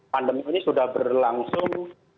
pandemi ini sudah berlangsung